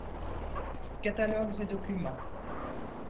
Catalogues et Documents.